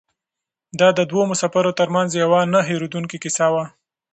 دا د دوو مسافرو تر منځ یوه نه هېرېدونکې کیسه وه.